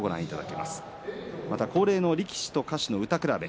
また、恒例の力士と歌手の歌くらべ。